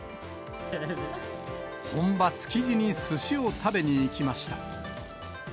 本場、築地にすしを食べに行きました。